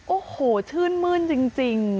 โอ้โหชื่นมื้นจริง